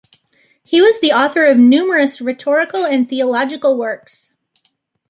He was the author of numerous rhetorical and theological works.